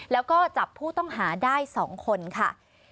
แล้วก็จับผู้ต้องหาได้๒คนค่ะ